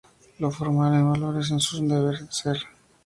Lo formal en los valores es su deber-ser.